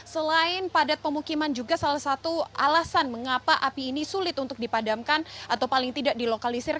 selain padat pemukiman juga salah satu alasan mengapa api ini sulit untuk dipadamkan atau paling tidak dilokalisir